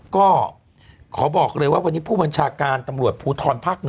ก็ขอบอกเลยว่าวันนี้ผู้บัญชาการตำรวจภูทรภาค๑